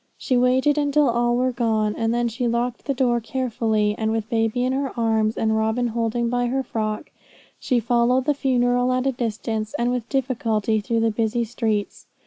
She waited until all were gone, and then she locked the door carefully, and with baby in her arms, and Robin holding by her frock, she followed the funeral at a distance, and with difficulty, through the busy streets.